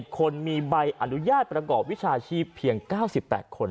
คนมีใบอนุญาตประกอบวิชาชีพเพียง๙๘คน